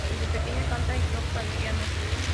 Desde pequeña canta y toca el piano.